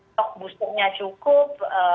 tog boosternya cukup